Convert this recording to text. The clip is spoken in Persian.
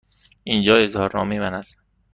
اینجا اظهارنامه من است.